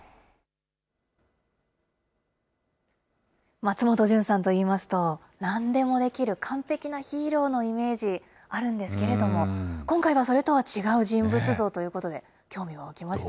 松本潤さんといいますと、なんでもできる完璧なヒーローのイメージ、あるんですけれども、今回はそれとは違う人物像ということで、興味が湧きました。